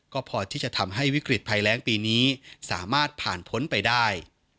ก็พอที่จะทำให้วิกฤตภัยแรงปีนี้สามารถผ่านพ้นไปได้